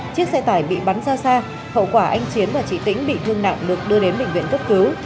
chiếc xe tải bị bắn ra xa hậu quả anh chiến và chị tĩnh bị thương nặng được đưa đến bệnh viện cấp cứu